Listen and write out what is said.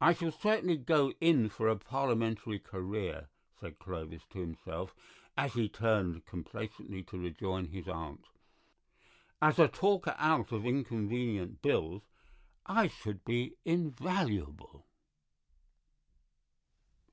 "I shall certainly go in for a Parliamentary career," said Clovis to himself as he turned complacently to rejoin his aunt. "As a talker out of inconvenient bills I should be invaluable."